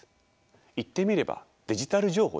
言ってみればデジタル情報ですね。